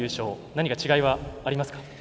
何か違いはありますか。